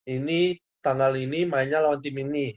ini tanggal ini mainnya lawan tim ini